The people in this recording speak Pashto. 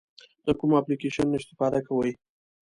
د کومو اپلیکیشنونو استفاده کوئ؟